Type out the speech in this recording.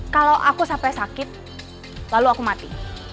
kalau aku sampai sakit lalu aku mati